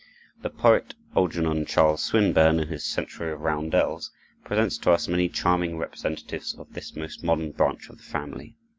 The poet Algernon Charles Swinburne, in his "Century of Roundels," presents to us many charming representatives of this most modern branch of the family.